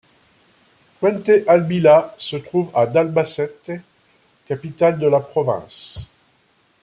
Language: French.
Fuentealbilla se trouve à d'Albacete, capitale de la province.